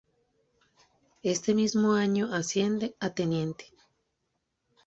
Este mismo año asciende a Teniente.